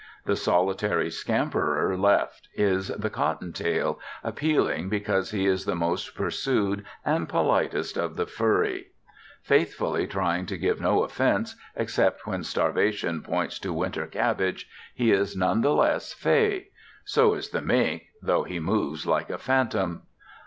The solitary scamperer left is the cottontail, appealing because he is the most pursued and politest of the furry; faithfully trying to give no offense, except when starvation points to winter cabbage, he is none the less fey. So is the mink, though he moves like a phantom.